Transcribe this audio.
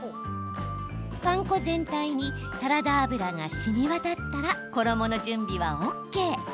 パン粉全体にサラダ油がしみ渡ったら、衣の準備はＯＫ。